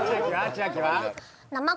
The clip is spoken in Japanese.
千秋は？